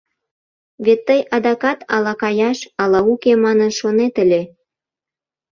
Вет тый адакат ала каяш, ала уке манын шонет ыле.